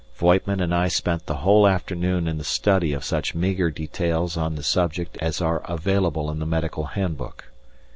Voigtman and I spent the whole afternoon in the study of such meagre details on the subject as are available in the "Medical Handbook."